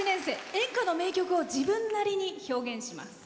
演歌の名曲を自分なりに表現します。